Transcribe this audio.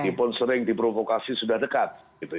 meskipun sering diprovokasi sudah dekat